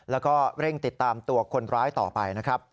แล้วก็เร่งติดตามตัวคนร้ายต่อไปนะครับ